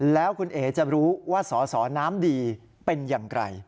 แล้วคุณเอ๋จะรู้ว่าสอสอน้ำดีเป็นอย่างไร